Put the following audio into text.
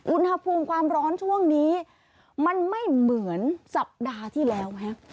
อุณหภูมิความร้อนช่วงนี้มันไม่เหมือนสัปดาห์ที่แล้วไหม